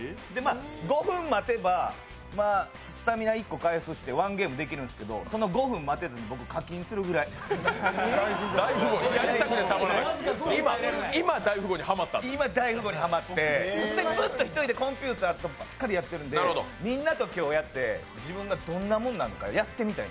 ５分待てばスタミナ１個回復してワンゲームできるんですけどその５分待てずに僕課金するくらい今「大富豪」にハマって、ずっと一人でやっててコンピューターとばっかりやってるので、みんなと今日やって、自分がどんなもんなのかやってみたい。